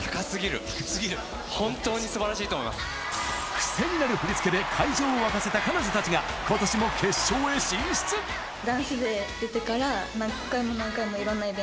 クセになる振り付けで会場を沸かせた彼女たちが今年も決勝へ進出だったが今は。